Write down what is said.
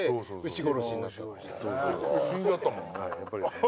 死んじゃったもんねやっぱり。